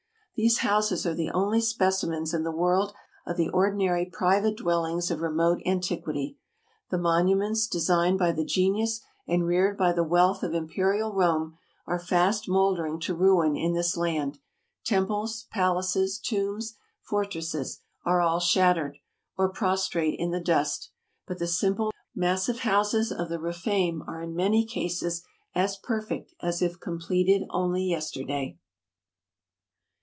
These houses are the osly specimens in the world of the ordinary private dwellings of remote antiquity. The monu ments designed by the genius and reared by the wealth of ASIA m imperial Rome are fast moldering to ruin in this land; temples, palaces, tombs, fortresses, are all shattered, or prostrate in the dust; but the simple, massive houses of the Rephaim are in many cases as perfect as if completed only yesterday.